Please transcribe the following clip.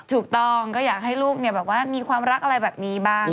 ถูกต้องก็อยากให้ลูกมีความรักอะไรแบบนี้บ้าง